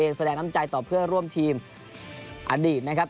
แสดงน้ำใจต่อเพื่อนร่วมทีมอดีตนะครับ